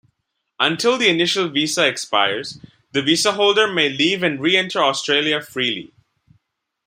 Until the initial visa expires, the visa holder may leave and re-enter Australia freely.